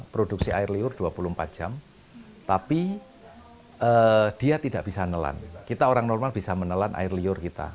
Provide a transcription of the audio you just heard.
produksi air liur dua puluh empat jam tapi dia tidak bisa nelan kita orang normal bisa menelan air liur kita